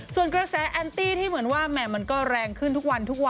ส่วนเกลียดแสนแอนตี้ที่เหมือนแมนมันก็แรงขึ้นทุกวัน